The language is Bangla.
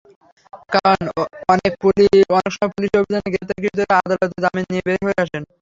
কারণ, অনেক সময় পুলিশি অভিযানে গ্রেপ্তারকৃতরা আদালতে জামিন নিয়ে বের হয়ে আসেন।